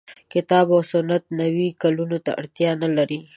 کتاب او سنت نوي کولو ته اړتیا نه لري.